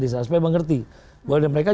di sana supaya mengerti buat mereka